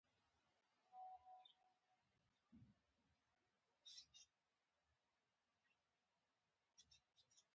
د دې لیدنې په سبا د پرېکړې جزییات خپاره کړل.